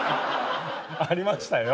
ありましたよ。